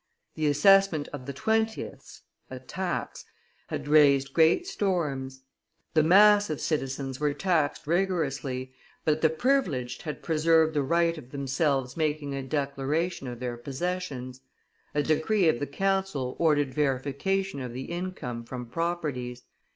The assessment of the twentieths (tax) had raised great storms; the mass of citizens were taxed rigorously, but the privileged had preserved the right of themselves making a declaration of their possessions; a decree of the council ordered verification of the income from properties.